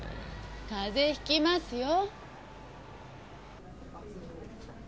風邪ひきますよ。